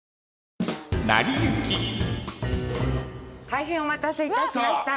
大変お待たせいたしました。